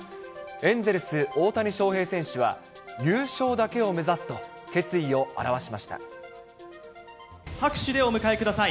エンゼルス、大谷翔平選手は、優勝だけを目指すと、決意を表し拍手でお迎えください。